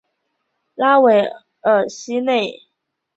拉韦尔西内。